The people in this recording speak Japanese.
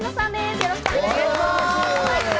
よろしくお願いします。